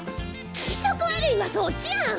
気色悪いんはそっちやん！